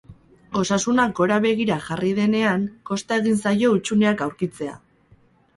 Osasuna gora begirra jarri denean, kosta egin zaio hutsuneak aurkitzea.